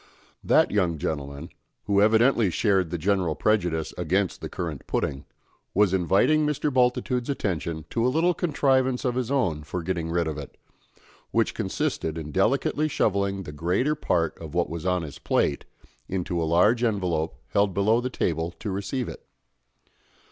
That young gentleman, who evidently shared the general prejudice against the currant pudding, was inviting Mr. Bultitude's attention to a little contrivance of his own for getting rid of it, which consisted in delicately shovelling the greater part of what was on his plate into a large envelope held below the table to receive it.